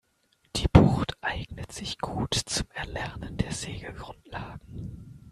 Die Bucht eignet sich gut zum Erlernen der Segelgrundlagen.